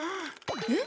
えっ？